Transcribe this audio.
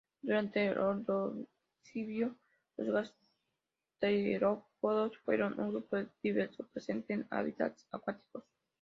Durante el Ordovícico los gasterópodos fueron un grupo diverso, presente en hábitats acuáticos.